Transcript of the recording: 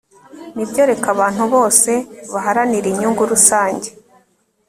nibyo, reka abantu bose baharanire inyungu rusange